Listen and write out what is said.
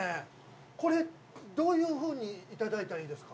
これどういうふうにいただいたらいいですか？